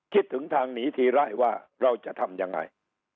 คิดถึงทางหนีทีไร่ว่าเราจะทำยังไง